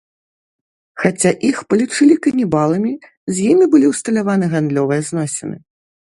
Хаця іх палічылі канібаламі, з імі былі ўсталяваны гандлёвыя зносіны.